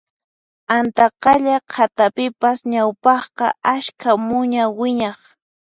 Antaqalla qhatapipas ñawpaqqa ashka muña wiñaq